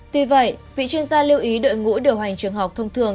tuy vậy vị chuyên gia lưu ý đội ngũ điều hành trường học thông thường